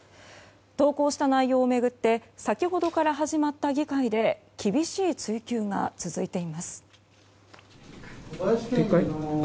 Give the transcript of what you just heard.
投稿した内容を巡って先ほどから始まった議会で厳しい追及が続いています。